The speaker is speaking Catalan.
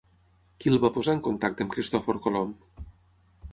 Qui el va posar en contacte amb Cristòfor Colom?